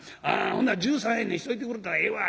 『ほんなら１３円にしといてくれたらええわ』